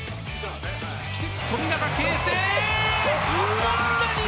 富永啓生。